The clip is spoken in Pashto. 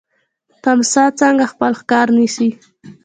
تمساح څنګه خپل ښکار نیسي؟